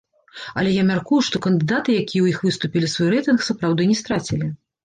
Але я мяркую, што кандыдаты, якія ў іх выступілі, свой рэйтынг сапраўды не страцілі.